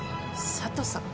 佐都さん？